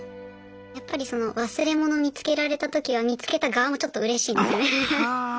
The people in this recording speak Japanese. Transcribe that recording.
やっぱりその忘れ物見つけられた時は見つけた側もちょっとうれしいんですよね。